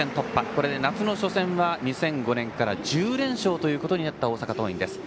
これで夏の初戦は２００５年から１０連勝となった大阪桐蔭です。